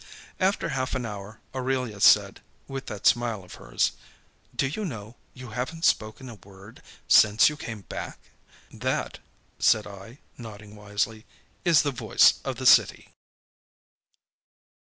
After half an hour Aurelia said, with that smile of hers: "Do you know, you haven't spoken a word since you came back!" "That," said I, nodding wisely, "is the Voice of the City."